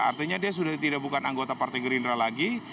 artinya dia sudah tidak bukan anggota partai gerindra lagi